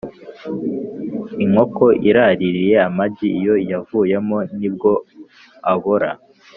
Inkoko iraririye amagi, iyo iyavuyemo nibwo abora